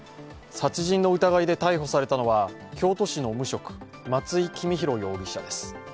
殺人の疑いで逮捕されたのは京都市の無職、松井公宏容疑者です